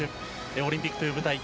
オリンピックという舞台で